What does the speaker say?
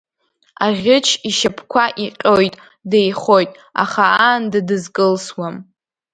Аӷьыч ишьапқәа иҟьоит, деихоит, аха аанда дызкылсуам.